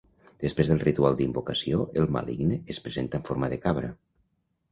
Després del ritual d'invocació, el maligne es presenta en forma de cabra.